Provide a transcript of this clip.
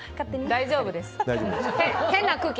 大丈夫です。